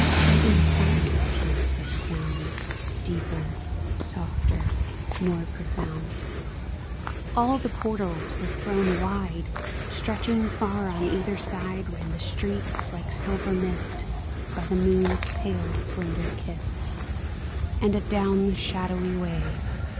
Even silence is but sound. Deeper, softer, more profound ! All the portals were thrown wide ! Stretching far on either side Ran the streets, like silver mist, By the moon's pale splendor kissed ; And adown the shadowy way.